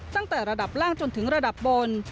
ตั้งแต่ระดับล่างจนถึงระดับบน